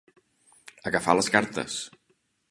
Agafar les cartes.